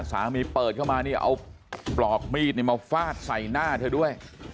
สามีเปิดเข้ามานี่เอาปลอกมีดมาฟาดใส่หน้าเธอด้วย